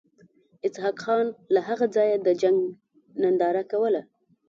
اسحق خان له هغه ځایه د جنګ ننداره کوله.